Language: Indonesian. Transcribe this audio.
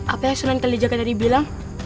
apa yang sunan kalijaga tadi bilang